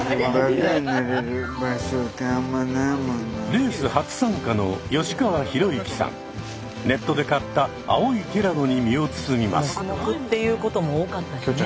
レース初参加のネットで買った青いティラノに身を包みます。